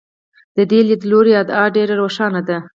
د دې لیدلوري ادعا ډېره روښانه ده.